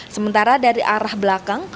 sementara dari arah belakang